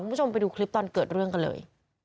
คุณผู้ชมไปดูคลิปตอนเกิดเรื่องกันเลย